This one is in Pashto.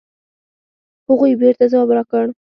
هغوی بېرته ځواب راکړ.